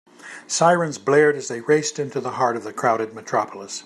Sirens blared as they raced into the heart of the crowded metropolis.